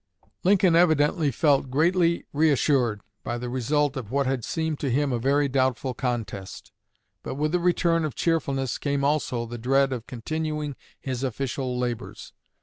Lincoln evidently felt greatly reassured by the result of what had seemed to him a very doubtful contest; but with the return of cheerfulness came also the dread of continuing his official labors.